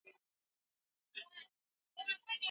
Alijiunga na chuo kikuu cha Kenyatta